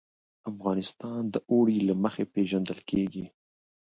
افغانستان د اوړي له مخې پېژندل کېږي.